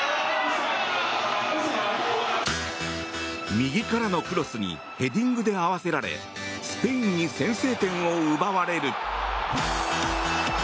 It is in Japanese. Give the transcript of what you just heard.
右からのクロスにヘディングで合わせられスペインに先制点を奪われる。